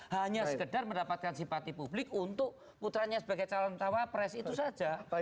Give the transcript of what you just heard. hanya sekedar mendapatkan simpati publik untuk putranya sebagai calon tawapres itu saja